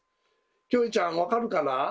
キョエちゃん分かるかな？